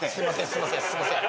すいませんすいません。